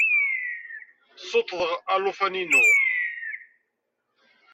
Ssuṭṭḍeɣ alufan-inu.